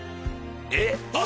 えっ！？